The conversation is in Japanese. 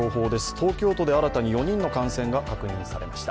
東京都で新たに４人の感染が確認されました。